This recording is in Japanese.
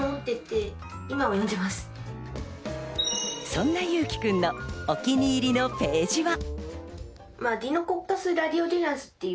そんな侑輝くんのお気に入りのページは。